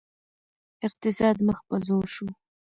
اقتصاد مخ په ځوړ شو